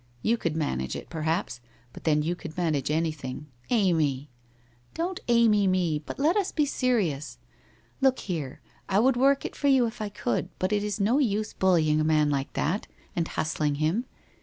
You could man age it, perhaps, but then you could manage anything — Amy!' ' Don't Amy me, but let us be serious. Look here, I would work it for you if I could, but it is no use bully ing a man like that, and hustling him.